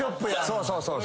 そうそう。